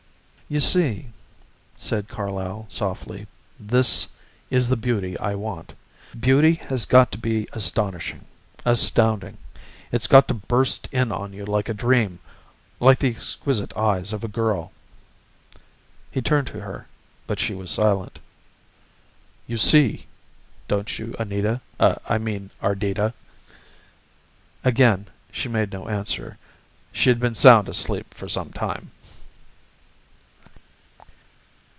"You see," said Carlyle softly, "this is the beauty I want. Beauty has got to be astonishing, astounding it's got to burst in on you like a dream, like the exquisite eyes of a girl." He turned to her, but she was silent. "You see, don't you, Anita I mean, Ardita?" Again she made no answer. She had been sound asleep for some time.